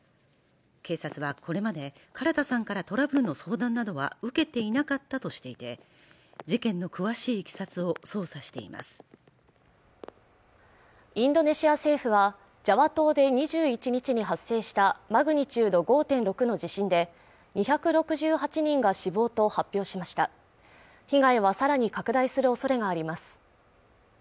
警察はこれまで唐田さんからトラブルの相談などは受けていなかったとしていて事件の詳しいいきさつを捜査していますインドネシア政府はジャワ島で２１日に発生したマグニチュード５．６の地震で２６８人が死亡と発表しました被害はさらに拡大するおそれがあります